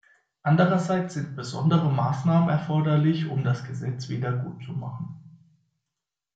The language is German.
Andererseits sind besondere Maßnahmen erforderlich, um das Gesetz wieder gutzumachen.